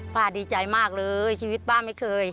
ดีใจมากเลยชีวิตป้าไม่เคย